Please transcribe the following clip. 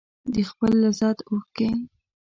د خپل لذت اوښکې